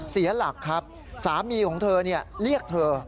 เสียหลักครับสามีของเธอเรียกเธอ